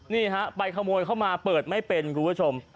นี่ฮะไปขโมยเข้ามาเปิดไม่เป็นคุณผู้ชม